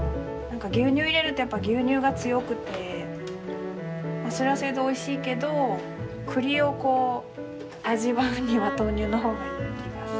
何か牛乳入れるとやっぱ牛乳が強くてそれはそれでおいしいけど栗をこう味わうには豆乳のほうがいい気がする。